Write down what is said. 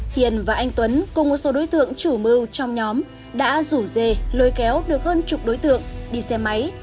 hiền và anh tuấn cùng một số đối tượng chủ mưu trong nhóm đã rủ dê lôi kéo được hơn chục đối tượng đi xe máy